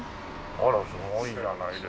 あらすごいじゃないですか。